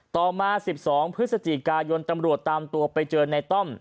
ต่อมา๑๒พฤศจิกายนตำรวจตามตัวไปเจอในต้อม